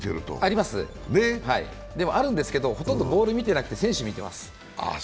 あります、でもあるんですけどほとんどボール見てなくて選手見てます。